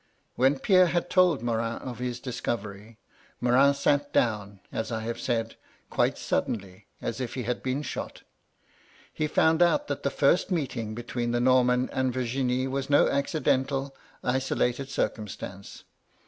"When Kerre had told Morin of his discovery, Morin sat down, as I have said, quite suddenly, as if he had been shot. He found out that the first meet ing between the Norman and Virginie was no acci dental, isolated circumstance.